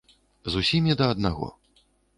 З усімі да аднаго.